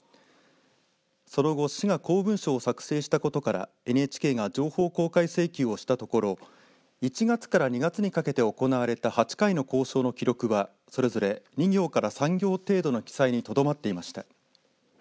その後、市が公文書を作成したことからＮＨＫが情報公開請求をしたところ１月から２月にかけて行われた８回の交渉の記録はそれぞれ２行から３行程度の記載にとどまっていました。